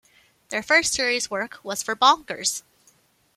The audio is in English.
Their first series work was for "Bonkers".